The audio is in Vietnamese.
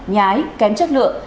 nhái kém chất lượng